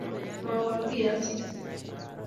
Mowol kiy Asisi